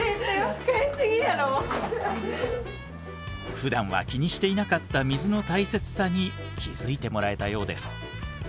ふだんは気にしていなかった水の大切さに気付いてもらえたようです。